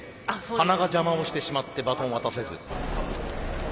鼻が邪魔をしてしまってバトンを渡せず。